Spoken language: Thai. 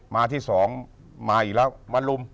มาที่สองมาอีกแล้วมาลุม